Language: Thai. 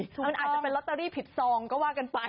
มันอาจจะเป็นลอตเตอรี่ผิดซองก็ว่ากันไป